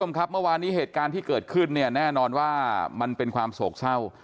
คุณผู้ชมครับเมื่อวานนี้เหตุการณ์ที่เกิดขึ้นเนี่ยแน่นอนว่ามันเป็นความโศกเศร้า